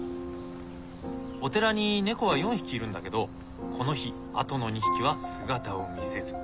お寺に猫は４匹いるんだけどこの日あとの２匹は姿を見せず。